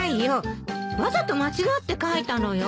わざと間違って書いたのよ。